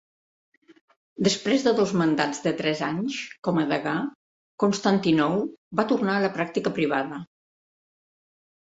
Després de dos mandats de tres anys com a degà, Constantinou va tornar a la pràctica privada.